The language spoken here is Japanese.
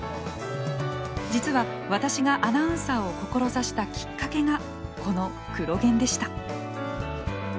実は私がアナウンサーを志したきっかけがこの「クロ現」でした。